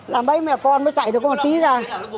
làm bấy mẹ con mới chạy được một tí ra